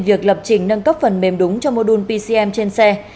việc lập trình nâng cấp phần mềm đúng cho mô đun pcm trên xe